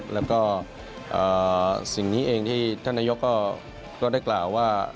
แล้วก็สิ่งนี้เองที่ท่านนายกก็ได้กล่าวว่า